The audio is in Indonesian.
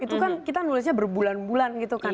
itu kan kita nulisnya berbulan bulan gitu kan